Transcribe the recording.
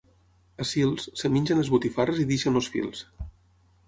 A Sils, es mengen les botifarres i deixen els fils.